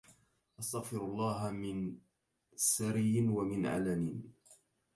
أستغفر الله من سري ومن علني